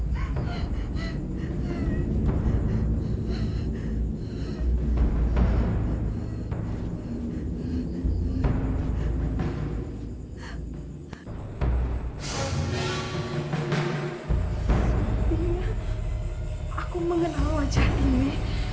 sebenarnya aku mengenal wajah timmy